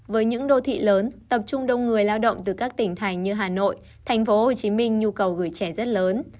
với những đô thị lớn tập trung đông người lao động từ các tỉnh thành như hà nội thành phố hồ chí minh nhu cầu gửi trẻ rất lớn